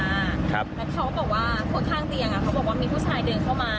แล้วเขาบอกว่าคนข้างเตียงเขาบอกว่ามีผู้ชายเดินเข้ามา